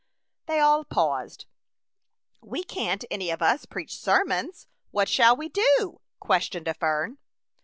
They all paused. "We can't any of us preach sermons, what shall we do?" questioned a fern.